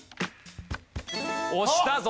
押したぞ。